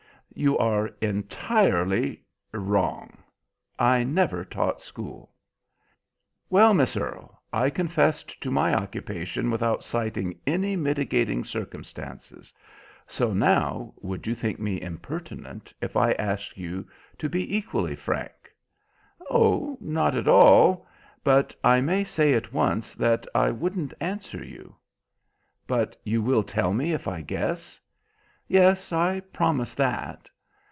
"You are entirely wrong. I never taught school." "Well, Miss Earle, I confessed to my occupation without citing any mitigating circumstances. So now, would you think me impertinent if I asked you to be equally frank?" "Oh, not at all! But I may say at once that I wouldn't answer you." "But you will tell me if I guess?" "Yes, I promise that."